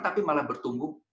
tapi malah bertumbuh